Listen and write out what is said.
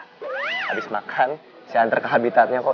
habis makan saya antar ke habitatnya kok